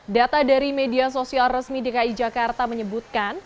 data dari media sosial resmi dki jakarta menyebutkan